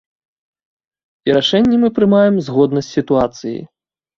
І рашэнні мы прымаем згодна з сітуацыяй.